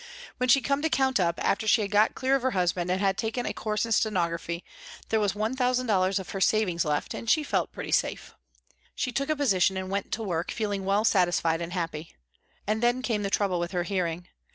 When she came to count up, after she had got clear of her husband and had taken a course in stenography, there was one thousand dollars of her savings left and she felt pretty safe. She took a position and went to work, feeling well satisfied and happy. And then came the trouble with her hearing.